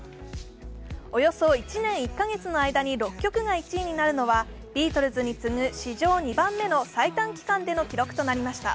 およそ１年６カ月の間に６曲が１位になるのは、ビートルズに次ぐ史上２番目の最短記録での記録となりました。